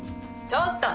ちょっと。